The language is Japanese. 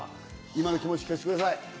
今の気持ち、お聞かせください。